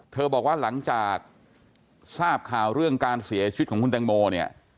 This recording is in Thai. บอกว่าหลังจากทราบข่าวเรื่องการเสียชีวิตของคุณแตงโมเนี่ย